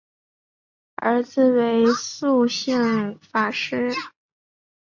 儿子为素性法师。